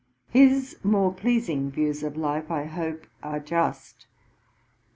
His more pleasing views of life, I hope, are just.